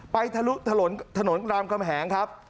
ไปถนนรามกำแหงครับ